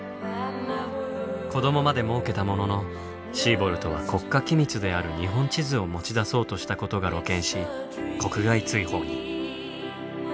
子どもまでもうけたもののシーボルトは国家機密である日本地図を持ち出そうとしたことが露見し国外追放に。